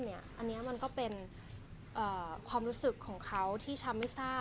อันนี้มันก็เป็นความรู้สึกของเขาที่ช้ำไม่ทราบ